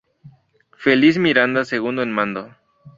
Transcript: Feliz Miranda segundo en mando.